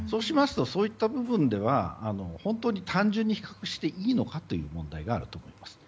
そういった部分では本当に単純に比較していいのかという問題があると思います。